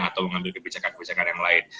atau mengambil kebijakan kebijakan yang lain